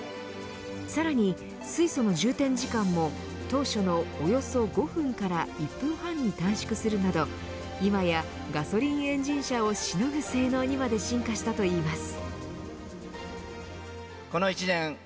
さらに水素の充填時間も当初のおよそ５分から１分半に短縮するなど今やガソリンエンジン車をしのぐ性能にまで進化したといいます。